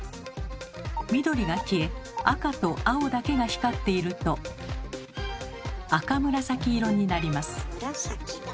緑が消え赤と青だけが光っていると赤紫色になります。